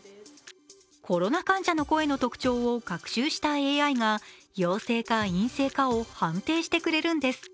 コロナ患者の声の特徴を学習したＡＩが陽性か陰性かを判定してくれるんです。